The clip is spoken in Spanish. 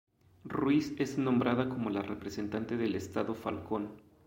Ruiz es nombrada como la representante del estado Falcón